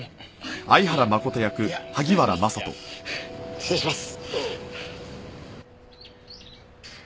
失礼します。